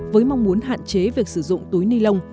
với mong muốn hạn chế việc sử dụng túi ni lông